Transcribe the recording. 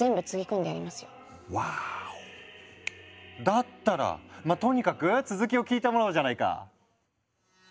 だったらまぁとにかく続きを聞いてもらおうじゃないか。